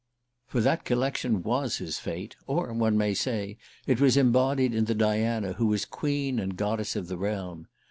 For that collection was his fate: or, one may say, it was embodied in the Diana who was queen and goddess of the realm.